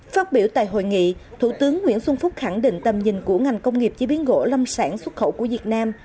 phát biểu tại hội nghị thủ tướng nguyễn xuân phúc khẳng định tầm nhìn của ngành công nghiệp chế biến gỗ lâm sản xuất khẩu của việt nam